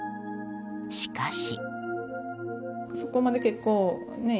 しかし。